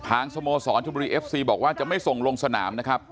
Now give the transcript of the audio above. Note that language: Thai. สโมสรชมบุรีเอฟซีบอกว่าจะไม่ส่งลงสนามนะครับ